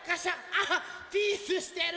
あっピースしてる！